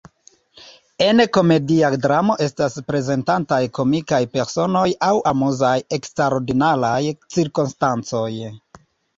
En komedia dramo estas prezentataj komikaj personoj aŭ amuzaj eksterordinaraj cirkonstancoj.